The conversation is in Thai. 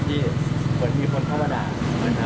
ที่เหมือนมีคนภาพประดาษ